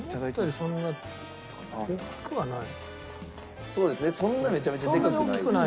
そんなめちゃめちゃでかくないですね。